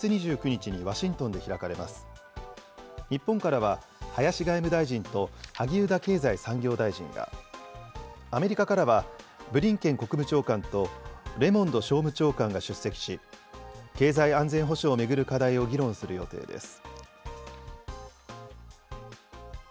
日本からは林外務大臣と萩生田経済産業大臣が、アメリカからはブリンケン国務長官とレモンド商務長官が出席し、経済安全保障を巡る課題を議論する予定です。